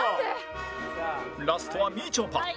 ラストはみちょぱ